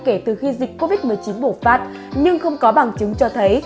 kể từ khi dịch covid một mươi chín bùng phát nhưng không có bằng chứng cho thấy